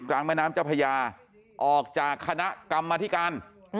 แม่น้ำเจ้าพญาออกจากคณะกรรมธิการ